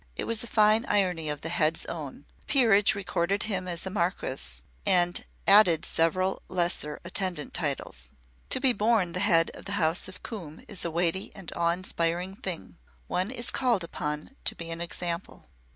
It was a fine irony of the Head's own. The peerage recorded him as a marquis and added several lesser attendant titles. To be born the Head of the House is a weighty and awe inspiring thing one is called upon to be an example.